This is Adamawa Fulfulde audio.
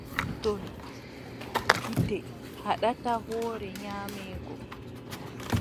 Purtol gite haɗataa hoore nyaameego.